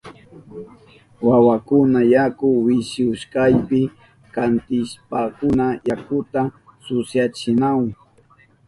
Wawakuna yaku wishihushkapi kantishpankuna yakuta susyachinahun.